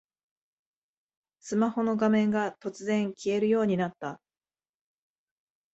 スマホの画面が突然消えるようになった